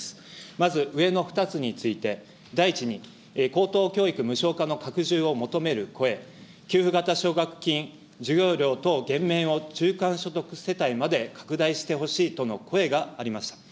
まず上の２つについて、第１に高等教育無償化の拡充を求める声、給付型奨学金・授業料等減免を中間所得世帯まで拡大してほしいとの声がありました。